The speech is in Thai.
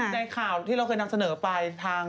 ในข่าวที่เราเคยนำเสนอไปทาง